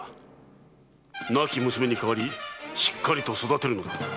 亡き娘に代わりしっかりと育てるのだ。